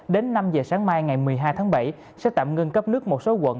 đến năm giờ sáng mai ngày một mươi hai tháng bảy sẽ tạm ngưng cấp nước một số quận